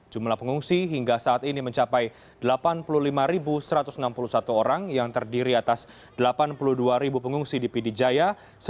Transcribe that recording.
jumlah pengungsi hingga saat ini mencapai delapan puluh lima satu ratus enam puluh satu orang yang terdiri atas delapan puluh dua pengungsi di pd jaya